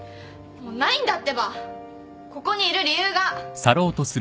もうないんだってばここにいる理由が。